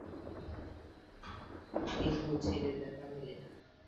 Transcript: কিন্তু ছেলের দেখা মেলে না।